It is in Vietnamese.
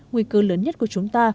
nguy cơ lớn nhất của chúng ta